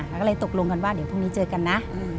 แล้วก็เลยตกลงกันว่าเดี๋ยวพรุ่งนี้เจอกันนะ